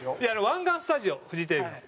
湾岸スタジオフジテレビの。